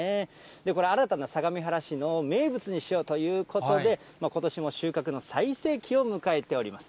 これ、新たな相模原市の名物にしようということで、ことしも収穫の最盛期を迎えております。